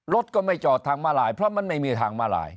รถก็ไม่จอดทางมาลายเพราะมันไม่มีทางมาลาย